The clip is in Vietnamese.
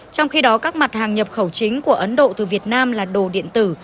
trong khi đó các mặt hàng nhập khẩu chính của ấn độ từ việt nam là đồ điện tử